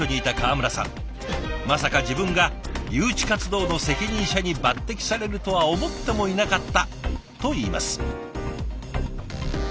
まさか自分が誘致活動の責任者に抜てきされるとは思ってもいなかったと言います。